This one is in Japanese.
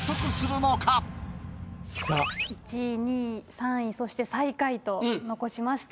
１位２位３位そして最下位と残しました。